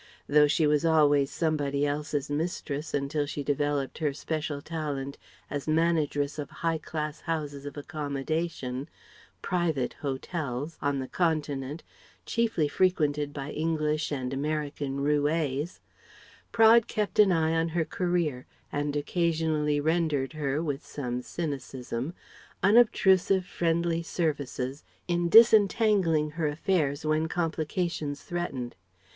Though she was always somebody else's mistress until she developed her special talent as a manageress of high class houses of accommodation, "private hotels" on the Continent, chiefly frequented by English and American roués Praed kept an eye on her career, and occasionally rendered her, with some cynicism, unobtrusive friendly services in disentangling her affairs when complications threatened.